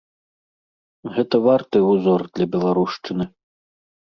Гэта варты ўзор для беларушчыны.